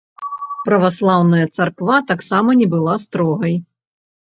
Праваслаўная царква таксама не была строгай.